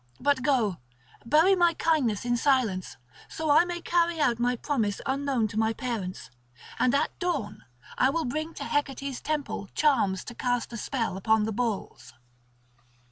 But go, bury my kindness in silence, so that I may carry out my promise unknown to my parents; and at dawn I will bring to Hecate's temple charms to cast a spell upon the bulls."